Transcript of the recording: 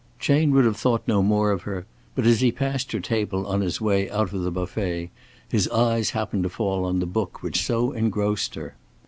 Chayne would have thought no more of her, but as he passed her table on his way out of the buffet his eyes happened to fall on the book which so engrossed her.